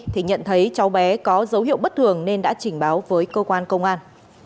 thì nhận thấy cháu bé có dấu hiệu bất thường nên đã trình báo với cơ quan công an